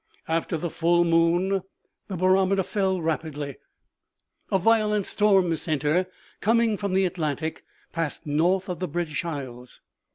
After the full moon the barometer fell rapidly. A violent storm center, coming from the Atlantic, passed north of the British Isles.